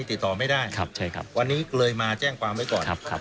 เป็นกระเป๋าใช่มั้ยครับ